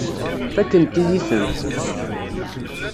Fakkent-iyi-tent.